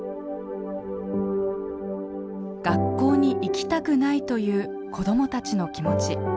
学校に行きたくないという子どもたちの気持ち。